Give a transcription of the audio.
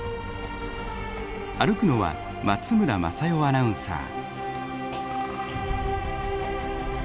歩くのは松村正代アナウンサー。